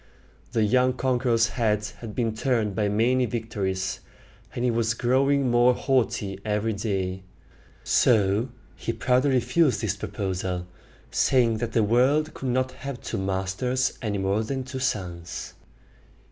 The young conqueror's head had been turned by his many victories, and he was growing more haughty every day: so he proudly refused this proposal, saying that the world could not have two masters any more than two suns.